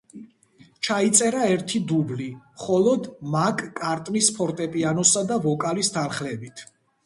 ჩაიწერა ერთი დუბლი, მხოლოდ მაკ-კარტნის ფორტეპიანოსა და ვოკალის თანხლებით.